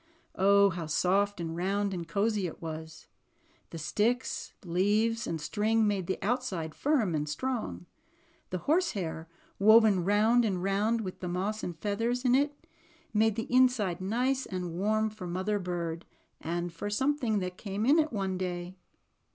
Oh, how soft and round and cozy it was! The sticks, leaves, and string made the out side firm and strong. The horsehair, woven round and round, with the moss and feathers in it, made the inside nice and warm for Mother Bird, and for something else that came in it one day.